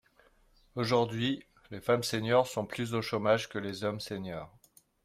Aujourd’hui, les femmes seniors sont plus au chômage que les hommes seniors.